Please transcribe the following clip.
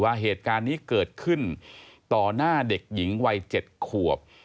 ว่าเหตุการณ์นี้เกิดขึ้นต่อหน้าเด็กหญิงวัย๗ขวบ